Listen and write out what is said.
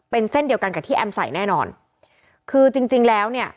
เป็นเส้นเดียวกันกับที่แอมใส่แน่นอนคือจริงจริงแล้วเนี่ย